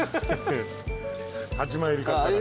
８枚入り買ったから。